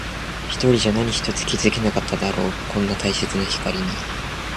一人じゃ何一つ気づけなかっただろう。こんなに大切な光に。